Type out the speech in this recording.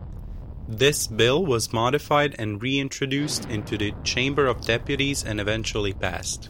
This bill was modified and reintroduced into the Chamber of deputies and eventually passed.